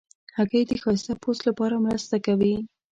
هګۍ د ښایسته پوست لپاره مرسته کوي.